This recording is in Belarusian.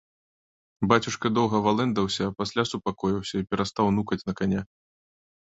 Бацюшка доўга валэндаўся, а пасля супакоіўся і перастаў нукаць на каня.